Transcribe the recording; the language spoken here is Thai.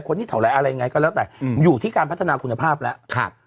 คนที่เถาละอะไรไงก็แล้วแต่อยู่ที่การพัฒนาคุณภาพแล้ว